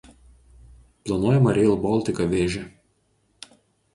Planuojama „Rail Baltica“ vėžė.